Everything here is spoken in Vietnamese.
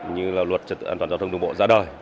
như là luật trật tự an toàn giao thông đường bộ ra đời